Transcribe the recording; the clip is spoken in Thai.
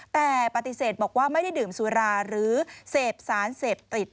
แต่ปฏิเสธบอกว่าไม่ได้ดื่มสุราหรือเสพสารเสพติด